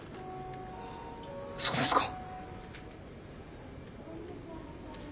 そうですか。